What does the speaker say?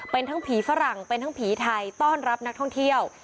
เป็นทั้งผีฝรั่งเป็นทั้งผีไทยต้อนรับนักท่องเที่ยว